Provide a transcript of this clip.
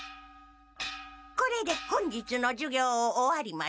これで本日の授業を終わります。